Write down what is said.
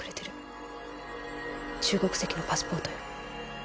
中国籍のパスポートよ。